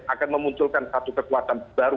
akan memunculkan satu kekuatan baru